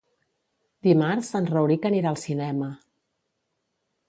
Dimarts en Rauric anirà al cinema.